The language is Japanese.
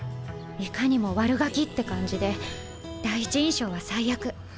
いかにも「悪ガキ」って感じで第一印象は最悪。